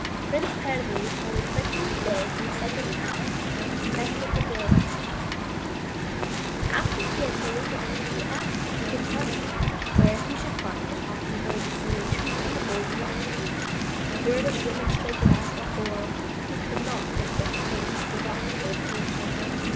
Prince Perviz on the twentieth day from the setting out, met with the dervish. After he had saluted him, he asked if he could tell him where he should find the Talking Bird, the Singing Tree, and the Golden Water. The dervish remonstrated as before, but he could not persuade the prince to give up his resolution.